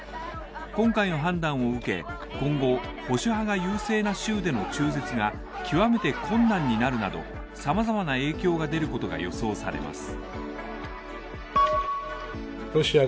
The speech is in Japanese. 今回の判断を受け、今後、保守派が優勢な州での中絶が極めて困難になるなどさまざまな影響が出ることが予想されます。